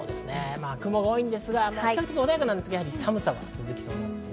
雲が多いですが、穏やかですが、寒さが続きそうです。